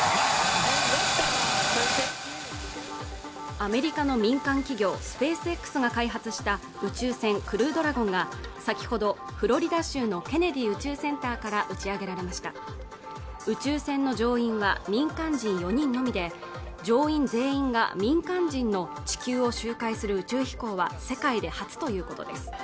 アメリカの民間企業スペースＸが開発した宇宙船「クルードラゴン」が先ほどフロリダ州のケネディ宇宙センターから打ち上げられました宇宙船の乗員は民間人４人のみで乗員全員が民間人の地球を周回する宇宙飛行は世界で初ということです